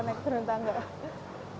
kalau naik turun tangga